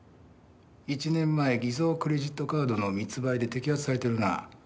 １年前偽造クレジットカードの密売で摘発されてるな。